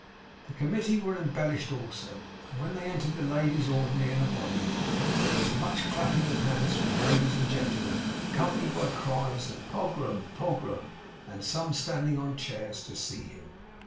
The Committee were embellished also; and when they entered the ladies' ordinary in a body, there was much clapping of hands from ladies and gentlemen, accompanied by cries of 'Pogram! Pogram!' and some standing up on chairs to see him.